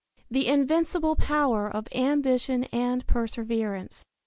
THE INVINCIBLE POWER OP AMBITION AND PERSEVERANCE.